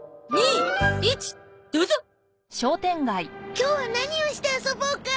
今日は何をして遊ぼうか？